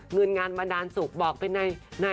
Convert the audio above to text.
เงินงานบันดาลสุขบอกเป็นไง